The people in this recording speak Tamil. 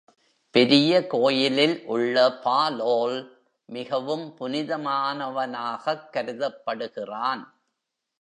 பெரிய கோயிலில் உள்ள பாலோல் மிகவும் புனிதமானவனாகக் கருதப்படுகிறான்.